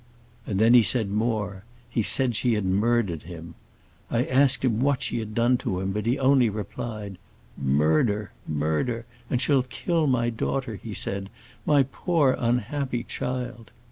And then he said more; he said she had murdered him. I asked him what she had done to him, but he only replied, 'Murder, murder. And she'll kill my daughter,' he said; 'my poor unhappy child.